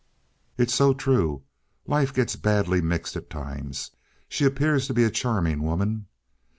"It's so true. Life does get badly mixed at times. She appears to be a charming woman."